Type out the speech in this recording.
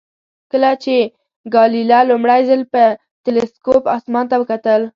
کله چې ګالیله لومړی ځل په تلسکوپ اسمان ته وکتل.